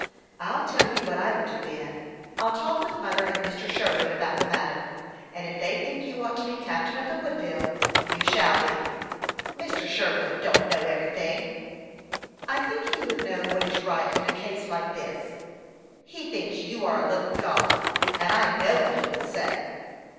I'll tell you what I will do, Ben. I'll talk with mother and Mr. Sherwood about the matter, and if they think you ought to be captain of the Woodville, you shaU be." " Mr. Sherwood don't know everything." " I think he would know what is right in a case like this." " He thinks you are a little god, and I know what he would say."